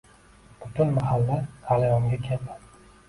Butun mahalla g`alayonga keldi